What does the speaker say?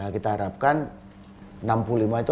kita harapkan enam puluh lima itu